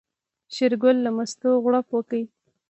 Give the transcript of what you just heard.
شېرګل له مستو غوړپ وکړ.